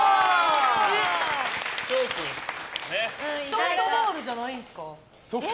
ソフトボールじゃないんすか？